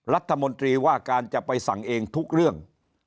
รัฐมนตรีว่าการจะไปสั่งเองทุกเรื่อง